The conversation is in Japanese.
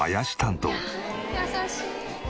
優しい。